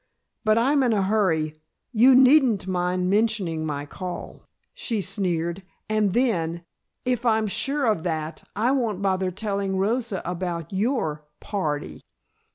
But I'm in a hurry. You needn't mind mentioning my call," she sneered, "and then, if I'm sure of that, I won't bother telling Rosa about your party!"